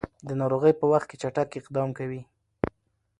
د ناروغۍ په وخت کې چټک اقدام کوي.